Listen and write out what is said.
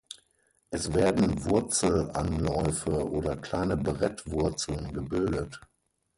Es werden Wurzelanläufe oder kleine Brettwurzeln gebildet.